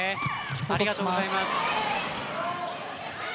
ありがとうございます。